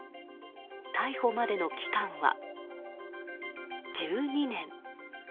逮捕までの期間は１２年。